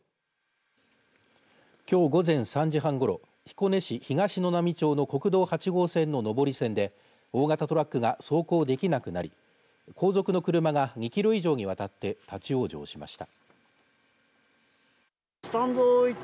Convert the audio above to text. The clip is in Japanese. きょう午前３時半ごろ彦根市東沼波町の国道８号線の上り線で大型トラックが走行できなくなり後続の車が２キロ以上にわたって立往生しました。